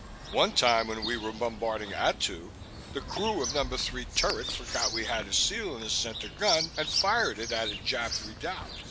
One time when we were bombarding Attu, the crew of No. 3 turret forgot we had a seal in the center gun and fired it at a Jap redoubt.